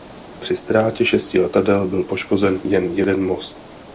Při ztrátě šesti letadel byl poškozen jen jeden most.